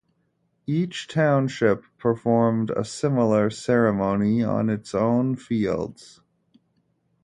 Each township performed a similar ceremony on its own fields.